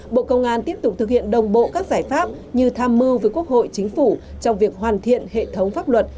bộ công an tiếp tục thực hiện đồng bộ các giải pháp như tham mưu với quốc hội chính phủ trong việc hoàn thiện hệ thống pháp luật